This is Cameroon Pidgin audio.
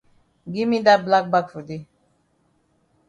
Gi me dat black bag for dey.